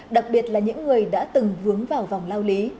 đặc biệt là những người đã từng vướng vào vòng lao lý